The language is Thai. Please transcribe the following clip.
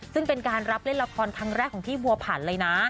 ซึ่งเป็นการรับเล่นละครครั้งแรกของพี่บัวผันเลยนะ